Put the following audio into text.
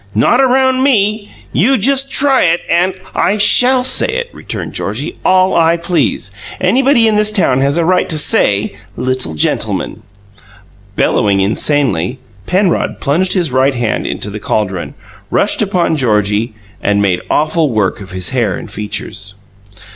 "Not around ME! You just try it again and " "I shall say it," returned Georgie, "all I please. Anybody in this town has a right to SAY 'little gentleman' " Bellowing insanely, Penrod plunged his right hand into the caldron, rushed upon Georgie and made awful work of his hair and features.